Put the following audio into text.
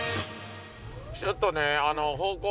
ちょっとね方向。